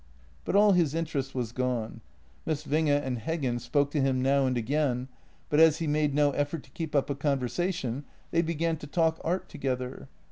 But all his interest was gone. Miss Winge and Heggen spoke to him now and again, but as he made no effort to keep up a conversation, they began to talk art together.